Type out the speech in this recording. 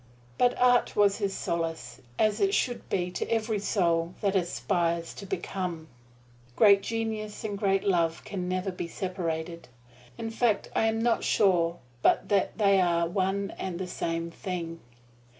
But art was his solace, as it should be to every soul that aspires to become. Great genius and great love can never be separated in fact I am not sure but that they are one and the same thing.